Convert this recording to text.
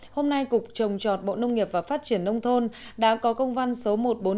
hôm nay cục trồng trọt bộ nông nghiệp và phát triển nông thôn đã có công văn số một nghìn bốn trăm chín mươi chín